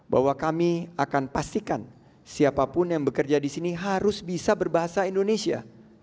bahwa kami akan pastikan siapapun yang bekerja di sini harus bisa berbahasa indonesia